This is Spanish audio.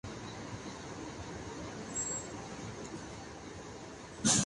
Un cráter en el planeta Marte recibe el nombre de la ciudad.